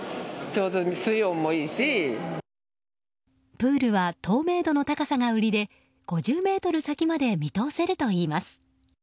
プールは透明度の高さが売りで５０ｍ先まで見通せるといいます。